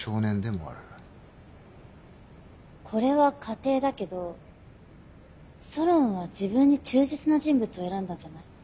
これは仮定だけどソロンは自分に忠実な人物を選んだんじゃない？